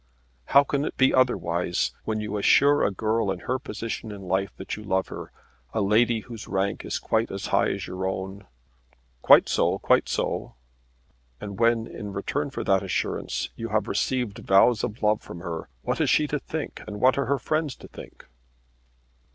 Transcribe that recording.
"How can it be otherwise? When you assure a girl in her position in life that you love her a lady whose rank is quite as high as your own " "Quite so, quite so." "And when in return for that assurance you have received vows of love from her, what is she to think, and what are her friends to think?"